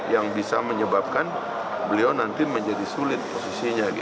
yang bisa menyebabkan beliau nanti menjadi sulit posisinya